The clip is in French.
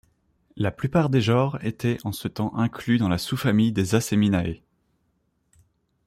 La plupart des genres était en ce temps inclus dans la sous-famille des Aseminae.